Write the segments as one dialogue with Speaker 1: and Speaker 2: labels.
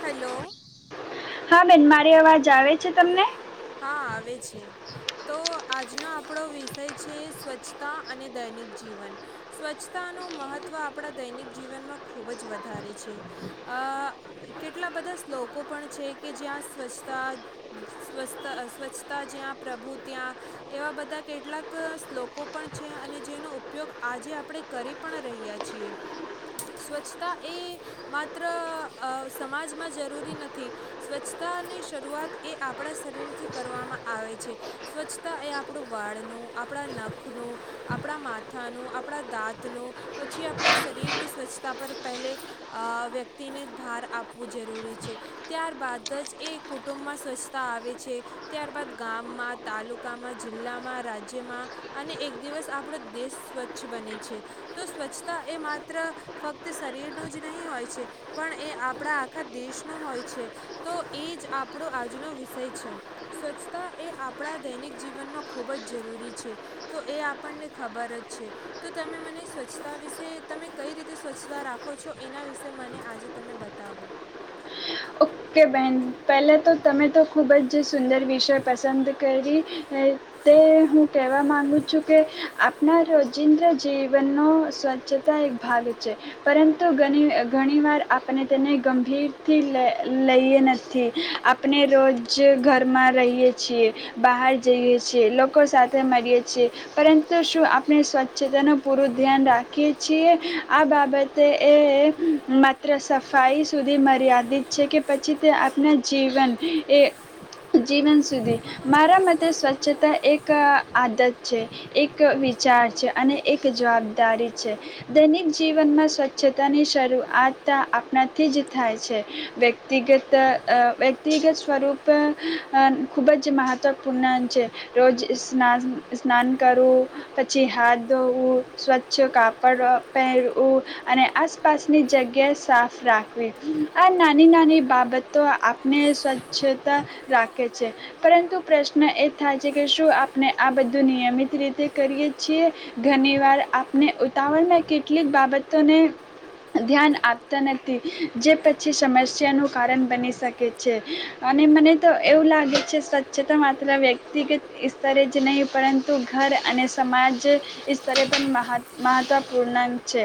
Speaker 1: Hello.
Speaker 2: હા બેન મારી અવાજ આવે છે તમને
Speaker 1: હા આવે છે તો આજનો આપ આપણો વિષય છે સ્વચ્છતા અને દૈનિક જીવન. સ્વચ્છતાનું મહત્ત્વ આપણા દૈનિક જીવનમાં ખૂબ જ વધારે છે અ કેટલા બધા શ્લોકો પણ છે કે જ્યાં સ્વચ્છતા સ્વસ્થ સ્વચ્છતા જ્યાં પ્રભુ ત્યાં. એવા બધા કેટલાક શ્લોકો પણ છે અને જેનો ઉપયોગ આજે આપણે કરી પણ રહ્યા છીએ. સ્વચ્છતા એ માત્ર અ સમાજમાં જરૂરી નથી સ્વચ્છ છતાની શરૂઆત એ આપણા શરીરથી કરવામાં આવે છે. સ્વચ્છતા એ આપણું વાળનું, આપણા નખનું, આપણા માથાનું, આપણા દાંતનું પછી આપણા શરીરની સ્વચ્છતા પર પહેલે અ વ્યક્તિને ભાર આપવું જરૂરી છે ત્યારબાદ દજએ કુટુંબમાં સ્વચ્છતા આવે છે ત્યારબાદ ગામમાં, તાલુકામાં, જિલ્લામાં, રાજ્યમાં અને એક દિવસ આપણો દેશ સ્વચ્છ બને છે. તો સ્વચ્છતા એ માત્ર ફક્ત શરીરનું જ નહીં હોય છે પણ એ આપણા આખા દેશનું હોય છે. તો એ જ આપણો આજનો વિષય છે. સ્વચ્છતા એ આપણા દૈનિક જીવનમાં ખૂબ જ જરૂરી છે તો એ આપણને ખબર જ છે તો તમે મને સ્વચ્છતા વિશે તમે કઈ રીતે સ્વચ્છતા રાખો છો એના વિશે મને આજે તમે બતાવો.
Speaker 2: બેહેન પહેલા તો તમે તો ખૂબ જ સુંદર વિષય પસંદ કરી તે હું કહેવા માગું છું કે આપના રોજીંદા જીવનનો સ્વચ્છતા એક ભાગ છે, પરંતુ ઘની ઘણીવાર આપને તેને ગંભીરથી લેય લઈએ નથી આપણે રોજ ઘરમાં રહીએ છીએ, બહાર જઈએ છીએ, લોકો સાથે મળીએ છીએ પરંતુ શું આપણે સ્વચ્છતાનું પૂરું ધ્યાન રાખીએ છીએ આ બાબતે એ માત્ર સફાઈ સુધી મર્યાદિત છે કે પછી તે આપણા જીવન એ જીવન સુધી. મારા મતે સ્વચ્છતા એક આદત છે, એક વિચાર છે અને એક જવાબદારી છે, દૈનિક જીવનમાં સ્વચ્છતાની શરૂઆત આપણાથી જ થાય છે. વ્યક્તિગત અ-અ વ્યક્તિગત સ્વરૂપ અ ખૂબ જ મહત્વપૂર્ણ છે રોજ સ્નાન કરવું પછી હાથ ધોવું, સ્વચ્છ કાપડ પહેરવું. અને આસપાસની જગ્યા સાફ રાખવી. નાની-નાની બાબતો આપને સ્વચ્છતા રાખે છે પરંતુ પ્રશ્ન એ થાય છે કે શું આપણે આ બધું નિયમિત રીતે કરીએ છીએ ઘની વાર આપણે ઉતાવળમાં કેટલીક બાબતોને ધ્યાન આપતા નથી જે પછી, છી સમસ્યાનું કારણ બની શકે છે. અને મને તો એવું લાગે છે સ્વચ્છતા માત્ર વ્યક્તિગત ઈસ્તરે જ નહીં પરંતુ ઘર અને સમાજ ઈસ્તરે પણ મહા માહત્વપૂર્ણ છે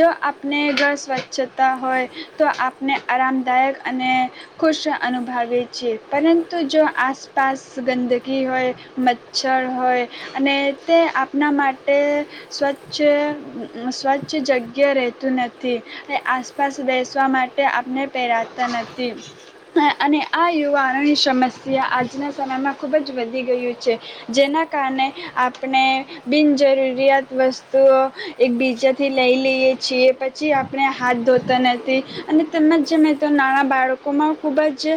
Speaker 2: જો આપને ઘર સ્વચ્છતા હોય તો આપ ને આરામદાયક અને ખુશ અનુભાવીએ છીએ પરંતુ જો આસપાસ ગંદકી હોય, મચ્છર હોય અને તે આપણા માટે સ્વચ્છ-સ્વચ્છ જગ્યા રહેતું નથી એ આસપાસ બેસવા માટે આપને પહેરાતા નથી અને આ યુવા સમસ્યા આજના સમયમાં ખૂબ જ વધી ગયું છે જેના કારણે આપને બિનજરૂરિયાત વસ્તુઓ એકબીજાથી લઈ લઈએ છીએ પછી આપણે હાથ ધોતા નથી અને તેમજ જે મેં તો નાણા બાળકોમાં ખૂબ જ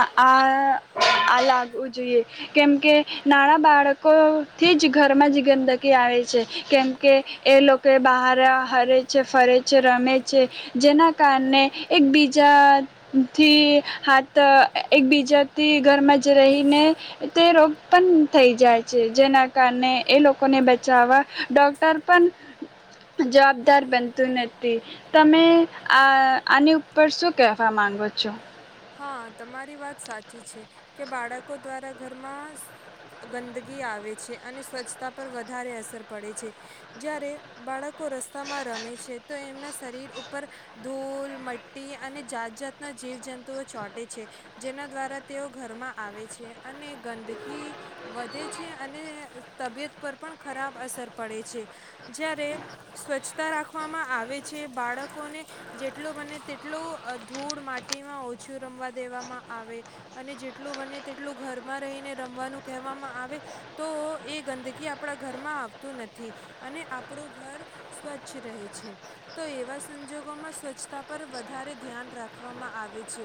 Speaker 2: આ-આ લાગવું જોઈએ કેમ કે નાણાં બાળકોથી જ ઘરમાં જ ગંદકી આવે છે કેમકે એ લોકો બહાર હરે છે, ફરે છે, રમે છે જેના કારણે એકબીજાથી હાથ અ એકબીજાથી ઘરમાં જ રહીને તે રોગ પણ થઈ જાય છે જેના કારણે એ લોકોને બચાવવા ડૉક્ટર પણ જવાબદાર બનતું નથી તમે આ આની ઉ પર શું કહેવા માંગો છો.
Speaker 1: હા તમારી વાત સાચી છે કે બાળકો દ્વારા ઘરમાં સ ગંદગી આવે છે અને સ્વચ્છતા પર વધારે અસર પડે છે જ્યારે બાળક કો રસ્તામાં રમે છે તો એમના શરીર ઉપર ધૂલ મ્ટટી અને જાત-જાતના જીવ જંતુ- ચોટે છે જેના દ્વારા તેઓ ઘરમાં આવે છે અને ગંદકી વધે છે અને તબિયત પર પણ ખરાબ અસર પડે છે જ્યારે સ્વચ્છતા રાખવામાં આવે છે બાળકોને જેટલુ બને તેટલો ધૂળ માટીમાં છું રમવા દેવામાં આવે અને જેટલું બને તેટલું ઘરમાં રહીને રમવાનું કહેવામાં આવે તો એ ગંદકી આપણા ઘરમાં આવતું નથી અને આપણું ઘર સ્વચ્છ રહે છે તો એવા સંજોગોમાં સ્વચ્છતા પર વધારે ધ્યાન રાખવામાં આવે છે.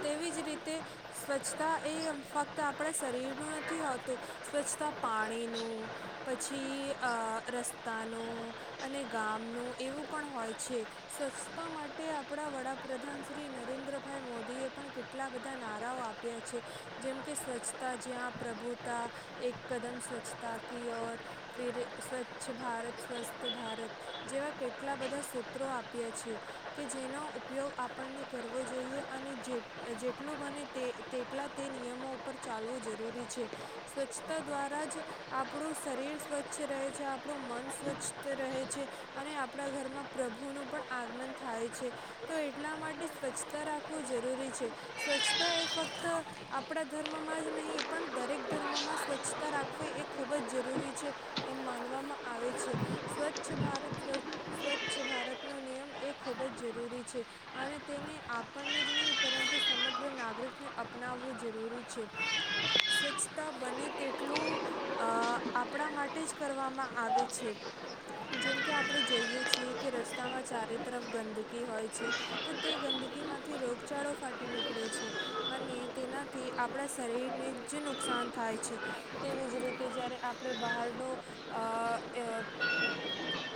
Speaker 1: તેવીજ રીતે સ્વચ્છતા એ ફક્ત આપણા શરીરનું નથી હોતું સ્વચ્છતા પાણીનું પછી અ રસ્તાનું અને ગામનું એવું પણ હોય છે સ્વચ્છતા માટે આપડા વડાપ્રધાન શ્રી શ્રી નરેન્દ્રભાઈ મોદીએ પણ કેટલા બધા નારાઓ આપ્યા છે જેમ કે સ્વચ્છતા જ્યાં પ્રભુતા, એક કદમ સ્વચ્છતા કી ઓર ફીર સ્વચ્છ ભારત, સ્વસ્થ ભારત જેવા કેટલા બધા સૂત્રો આપ્યા છે કે જેનો ઉપયોગ આપણને કરવો જોઈએ અને જે જેટલું બને તે તેટલા તે નિયમો ઉપર ચાલવું જરૂરી છે સ્વચ્છતા દ્વારા જ આપણું શરીર સ્વચ્છ રહે છે આપણું મન સ્વચ્છ રહે છે અને આપણા ઘરમાં પ્રભુનું પણ આગમન થાય છે તો એટલા માટે સ્વચ્છતા રાખવું જરૂરી છે સ્વચ્છતા એ ફક્ત આપણા ધર્મમાં જ નહીં પણ દરેક ધર્મમાં સ્વચ્છતા રાખવી એ ખૂબ જ જરૂરી છે એમ માનવામાં આવે છે સ્વચ્છ ભારત સ્વચ્છ સ્વચ્છ ભારતનો નિયમ એ ખૂબ જ જરૂરી છે અને તેને આપણને જ નહીં પરંતુ સમગ્ર નાગરિકને અપનાવવું જરૂરી છે, સ્વચ્છતા બને તેટલું અ આપણા માટે જ કરવામાં આવે છે જેમ કે આપણે જોઈએ છીએ કે રસ્તામાં ચારે તરફ ગંદકી હોય છે. તો તે ગંદકીમાંથી રોગચાળો ફાટી નીકળે છે અને તેનાથી આપણા શરીરને જ નુકસાન થાય છે તેવી જ રીતે જ્યારે આપણે બહારનું અ આ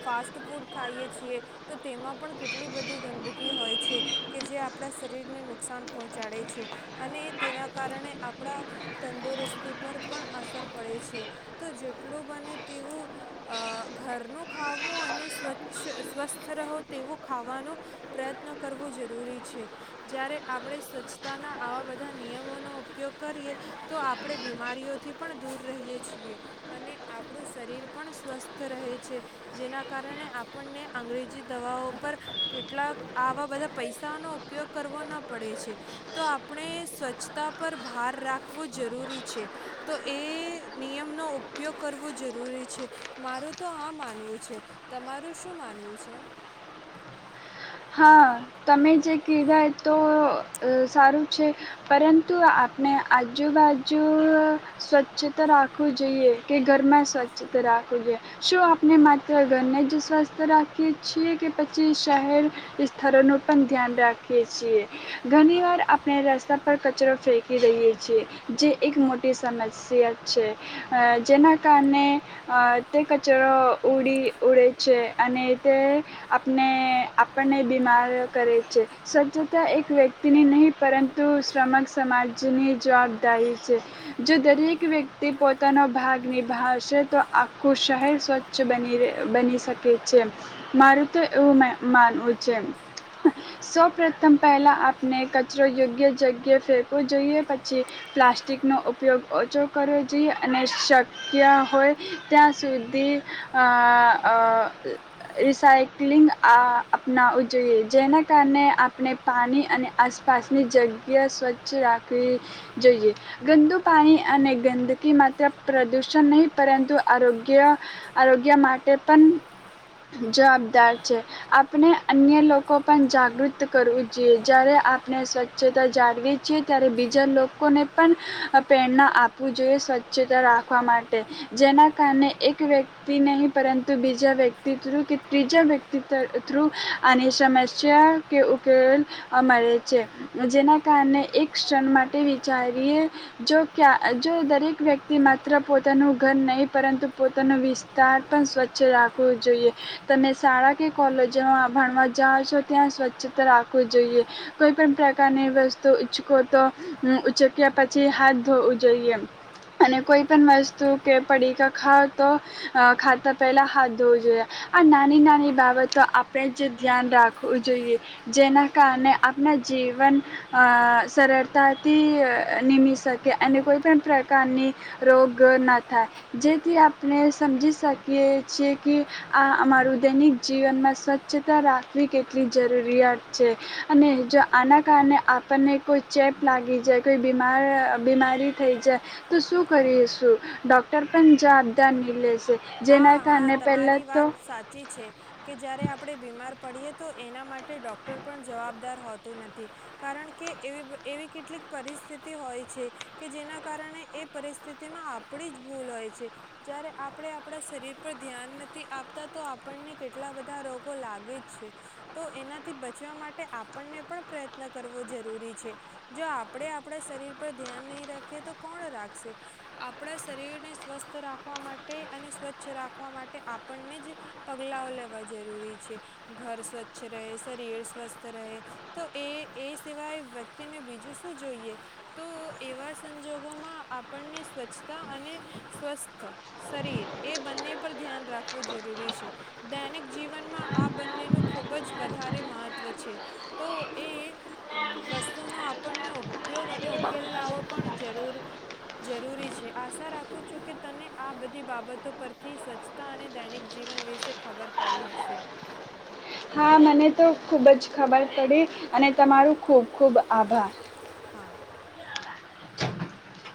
Speaker 1: ફાસ્ટ ફૂડ ખાઈએ છીએ તો તેમાં પણ કેટલી બધી ગંદકી હોય છે કે જે આપણા શરીરને નુકસાન પહોંચાડે છે અને તેના કારણે આપણા તંદુરસ્તી પર પણ અસર પડે છે તો જેટલું બને તેવું અ ઘરનું ખાવું અને સ્વચ્છ સ્વસ્થ રહો તેવો ખાવાનો પ્રયત્ન કરવું જરૂરી છે જ્યારે આપણે સ્વચ્છતાના આવા બધા નિયમોનો ઉપયોગ કરીએ તો આપણે બીમારીઓથી પણ દૂર રહીએ છીએ અને આપણું શરીર પણ સ્વસ્થ રહે છે, જેના કારણે આપણને અંગ્રેજી દવાઓ પર કેટલાક આવા બધા પૈસાનો ઉપયોગ કરવો ન પડે છે તો આપણે સ્વચ્છતા પર ભાર રાખવું જરૂરી છે, તો એ નિયમનો ઉપયોગ કરવો જરૂરી છે મારું તો આ માનવું છે તમારું શું માનવું છે.
Speaker 2: હા તમે જે કહેવાય તો અ સારું છે પરંતુ આપણે આજુ બાજુ અ સ્વચ્છતા રાખવું જોઈએ કે ઘરમાં સ્વચ્છતા રાખું જોઈએ શું આપણે માત્ર ઘરને જ સ્વસ્થ રાખીએ છીએ કે પછી શહેર સ્થળનું પણ ધ્યાન રાખીએ છીએ ઘણી વાર આપણે રસ્તા પર કચરો ફેંકી દઈએ છીએ જે એક મોટી સમસ્યા છે અ જેના કારણે અ તે કચરો ઉડી ઉડે છે અને તે આપને આપણને બીમાર કરે છે સ્વચ્છતા એક વ્યક્તિની નહીં પરંતુ શ્રમક સમાજની જવાબદારી છે જો દરેક વ્યક્તિ પોતાનો ભાગ નિભાવશે તો આખું શહેર સ્વચ્છ બની રેહ બની શકે છે મારું તો એવું મે માનવું છે સૌ પ્રથમ પહેલાં આપણે કચરો યોગ્ય જગ્યાએ ફેંકવો જોઈએ પછી પ્લાસ્ટિકનો ઉપયોગ ઓછો કરવો જોઈએ અને શક્ય હોય ત્યાં સુધી અં અ રિસાયક્લિંગ આ અપનાવવું જોઈએ જેના કારણે આપણે પાણી અને આસપાસની જગ્યા સ્વચ્છ રાખવી જોઈએ, ગંદુ પાણી અને ગંદકી માત્ર પ્રદૂષણ નહીં પરંતુ આરોગ્ય-આરોગ્ય માટે પણ જવાબદાર છે. આપણે અન્ય લોકો પણ જાગૃત કરવું જોઈએ, જ્યારે આપણે સ્વચ્છતા જાળવીએ છીએ ત્યારે બીજા લોકોને પણ પ્રેરણા આપવું જોઈએ સ્વચ્છતા રાખવા માટે જેના કારણે એક વ્યક્તિ નહી પરંતુ બીજા વ્યક્તિ થ્રુ કે ત્રીજા વ્યક્તિ થ્રુ આની સમસ્યા કે ઉકેલ અ મળે છે જેના કારણે એક ક્ષણ માટે વિચારીએ જો કયા જો દરેક વ્યક્તિ માત્ર પોતાનું ઘર નહીં પરંતુ પોતાનાં વિ વિસ્તાર પણ સ્વચ્છ રાખવું જોઈએ. તમે શાળા, કોલેજમાં ભણવા જાઓ છો ત્યાં સ્વચ્છતા રાખવું જોઈએ કોઈ પણ પ્રકારની વસ્તુ ઉચકો તો ઉચક્યા પછી હાથ ધોવું જોઈએ અને કોઈ પણ વસ્તુ કે પડીકા ખાવ તો અ ખાતા પહેલા હાથ ધોવું જોઈએ આ નાની-નાની બાબ બાબતો આપણે જ ધ્યાન રાખવું જોઈએ જેના કારણે આપના જીવન અ સરળતાથી નિમી શકે અને કોઈપણ પ્રકારની રોગ ન થાય જેથી આપને સમજી શકીએ છીએ કી આ આ મારું દૈનિક જીવનમાં સ્વચ્છતા રાખવી કેટલી જરૂરિયાત છે અને જો આના કારણે આપણને કોઈ ચેપ લાગી જાય કોઈ બીમાર બીમારી થઈ જાય તો શું કરીશું, ડૉક્ટર પણ જવાબદાર નહીં લેશે. જેના
Speaker 1: હા-હા
Speaker 2: કારણે
Speaker 1: તમારી
Speaker 2: પહેલાં તો
Speaker 1: વાત સાચી છે. કે જયારે આપણે બીમાર પડીએ એ તો એના માટે ડોક્ટર પણ જવાબદાર હોતું નથી, કારણ કે એવી-એવી કેટલીક પરિસ્થિતિ હોય છે કે જેના કારણે એ પરિસ્થિતિમાં આપણી જ ભૂલ હોય છે. જ્યારે આપણે આપણા શરીર પર ધ્યાન નથી આપતા તો આપણને કેટલા બધા રોગો લાગે જ છે. તો એનાથી બચવા માટે આપણને પણ પ્રયત્ન કરવો જરૂરી છે. જો આપણે આપણા શરીર પર ધ્યાન નહીં રાખીએ તો કોણ રાખશે. આપણા શરીરને સ્વસ્થ રાખવા માટે અને સ્વચ્છ રાખવા માટે આપણને જ પગલાંઓ લેવા જરૂરી છે. ઘર સ્વચ્છ રહે, શરીર સ્વસ્થ રહે તો એ-એ સિવાય વ્યક્તિને બીજું શું જોઈએ. તો એવા સંજોગોમાં આપણને સ્વચ્છતા અને સ્વસ્થ શરીર એ બંને પર ધ્યાન રાખવું જરૂરી છે. દૈનિક જીવનમાં આ બંનેનું ખૂબ જ વધારે મહત્ત્વ છે. તો એ વસ્તુનો આપણને ઉપયોગ અને ઉકેલ લાવવો પણ જરૂર-જરૂરી છે. આશા રાખું છું કે તને આ બધ ધી બાબતો પરથી સ્વચ્છતા અને દૈનિક જીવન વિશે ખબર પડી હશે.
Speaker 2: હા મને તો ખુબ જ ખબર પડી અને તમારું ખૂબ-ખૂબ આભાર.
Speaker 1: હા.
Speaker 2: [unintelligible]